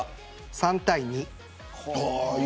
３対２。